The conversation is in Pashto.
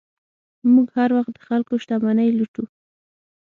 موږ هر وخت د خلکو شتمنۍ لوټو.